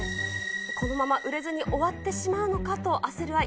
このまま売れずに終わってしまうのかと焦るアイ。